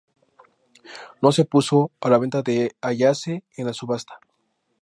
No se opuso a la venta de Ayase en la subasta.